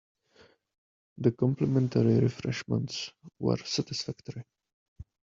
The complimentary refreshments were satisfactory.